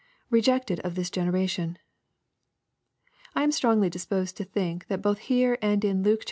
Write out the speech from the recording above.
[Rejected of this generation.] I am strongly disposed to think, that both here and in Luke xxi.